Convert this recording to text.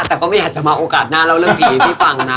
แต่ก็ไม่อยากจะมาโอกาสหน้าเล่าเรื่องผีพี่ฟังนะ